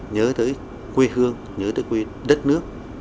nhớ tới quê hương nhớ tới quê đất nước